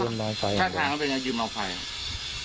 ท่านทางเขาเป็นยังยืนมองไฟอ่ะ